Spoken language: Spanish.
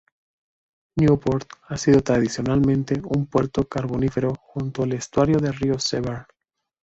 Newport ha sido tradicionalmente un puerto carbonífero junto al estuario del río Severn.